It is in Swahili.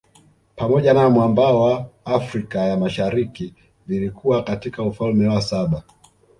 Pamoja na mwambao wa Afrika ya Mashariki vilikuwa katika Ufalme wa saba